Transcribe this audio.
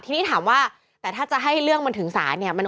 ทีนี้ถามว่าแต่ถ้าจะให้เรื่องมันถึงศาลเนี่ย